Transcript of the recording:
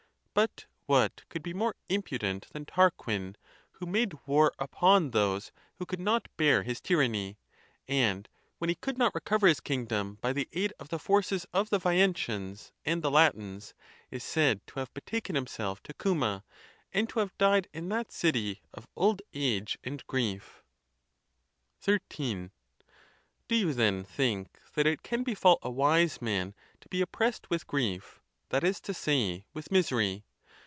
But what could be more impu dent than Tarquin, who made war upon those who could not bear his tyranny; and, when he could not recover his kingdom by the aid of the forces of the Veientians and the Latins, is said to have betaken himself to Cuma, and to have died in that city of old age and grief! XIII. Do you, then, think that it can befall a wise man to be oppressed with grief, that is to say, with misery?